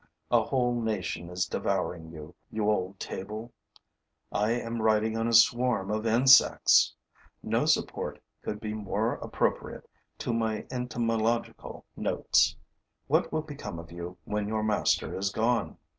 A whole nation is devouring you, you old table; I am writing on a swarm of insects! No support could be more appropriate to my entomological notes. What will become of you when your master is gone?